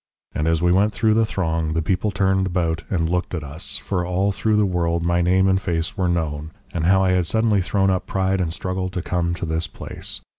And as we went through the throng the people turned about and looked at us, for all through the world my name and face were known, and how I had suddenly thrown up pride and struggle to come to this place.